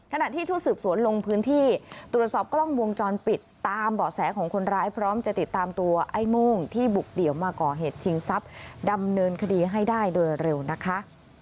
ขณะที่ชุดสืบสวนลงพื้นที่ตรวจสอบกล้องวงจรปิดตามเบาะแสของคนร้ายพร้อมจะติดตามตัวไอ้โม่งที่บุกเดี่ยวมาก่อเหตุชิงทรัพย์ดำเนินคดีให้ได้โดยเร็วนะคะ